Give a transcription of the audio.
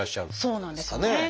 そうなんですよね。